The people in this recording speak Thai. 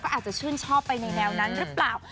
อาจจะชื่นชอบไปในแนวนั้นหรือเปล่า